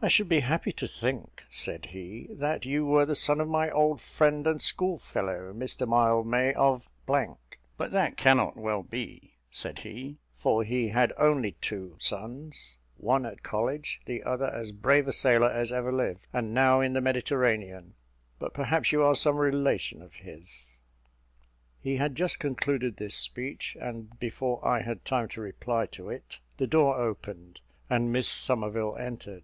"I should be happy to think," said he, "that you were the son of my old friend and school fellow, Mr Mildmay, of ; but that cannot well be," said he, "for he had only two sons one at college, the other as brave a sailor as ever lived, and now in the Mediterranean: but perhaps you are some relation of his?" He had just concluded this speech, and before I had time to reply to it, the door opened, and Miss Somerville entered.